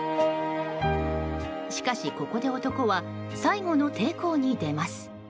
しかし、ここで男は最後の抵抗に出ます。